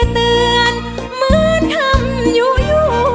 ถึงตอนอุ้ย